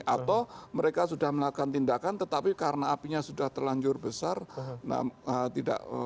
atau mereka sudah melakukan tindakan tetapi karena apinya sudah terlanjur besar tidak menguasai lagi itu yang terjadi di lapangan